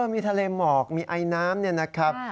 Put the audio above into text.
มีทะเลหมอกมีไอน้ำเนี่ยนะครับ